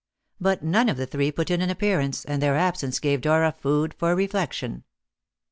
But none of the three put in an appearance, and their absence gave Dora food for reflection.